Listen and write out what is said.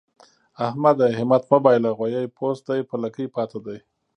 احمده! همت مه بايله؛ غويی پوست دی په لکۍ پاته دی.